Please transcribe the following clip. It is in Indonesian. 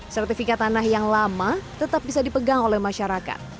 sertifikat tanah yang lama tetap bisa dipegang oleh masyarakat